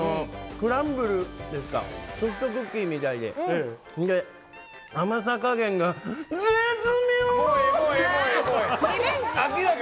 クランブルですか、ソフトクッキーみたいで、甘さ加減が、絶妙！